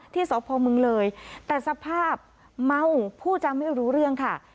ที่สพมเลยแต่สภาพเมาผู้จำไม่รู้เรื่องค่ะ